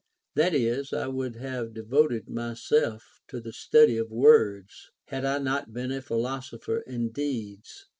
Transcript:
That is, I would have de voted myself to the study of words, had I not been a philosopher in deeds.